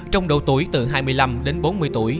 trong độ tuổi từ hai mươi năm đến bốn mươi tuổi